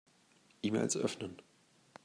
E-Mails öffnen.